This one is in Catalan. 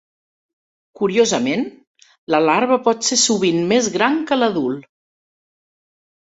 Curiosament, la larva pot ser sovint més gran que l'adult.